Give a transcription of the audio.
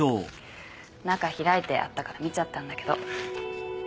中開いてあったから見ちゃったんだけど。